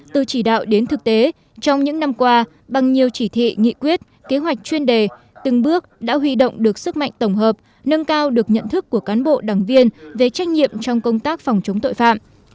từ chỉ đạo đến thực tế trong những năm qua bằng nhiều chỉ thị nghị quyết kế hoạch chuyên đề từng bước đã huy động được sức mạnh tổng hợp nâng cao được nhận thức của cán bộ đảng viên về trách nhiệm trong công tác phòng chống tội phạm